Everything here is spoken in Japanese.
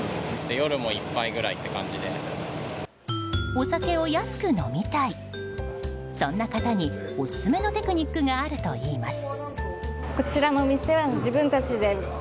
お酒を安く飲みたいそんな方にオススメのテクニックがあるといいます。